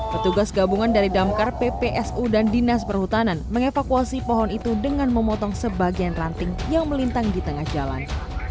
petugas gabungan dari damkar ppsu dan dinas perhutanan mengevakuasi pohon itu dengan memotong sebagian ranting yang melintang di tengah jalan